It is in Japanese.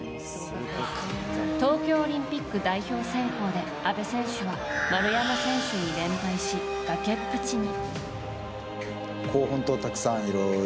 東京オリンピック代表選考で阿部選手は丸山選手に連敗し崖っぷちに。